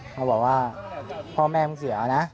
เขาบอกว่าพ่อแม่มันเสียแล้วนะ